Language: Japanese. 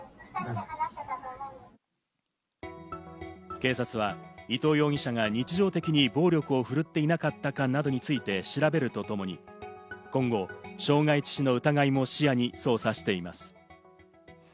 警察は、伊藤容疑者が日常的に暴力を振るっていなかったかなどについて調べるとともに、今後、傷害致死の疑いも視野に捜査しています。